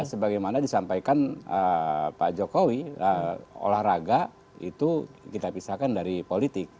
sebagaimana disampaikan pak jokowi olahraga itu kita pisahkan dari politik